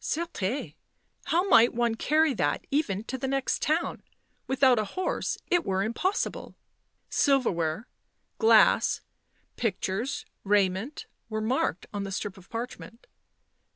" Certes ! How might one carry that even to the next town ? Without a horse it were impossible." Silver ware, glass, pictures, raiment, were marked on the strip of parchment.